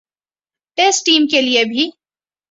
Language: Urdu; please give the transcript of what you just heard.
ٹیسٹ ٹیم کے لیے بھی